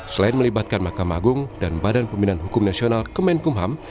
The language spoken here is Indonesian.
selain melibatkan mahkamah agung dan badan pembinaan hukum nasional kemenkumham